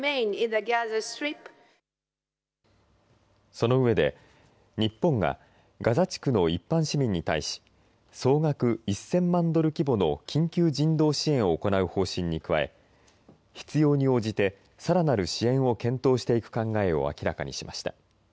その上で日本がガザ地区の一般市民に対し総額１０００万ドル規模の緊急人道支援を行う方針に加え必要に応じてさらなる支援を検討していく考えを明らかにしました。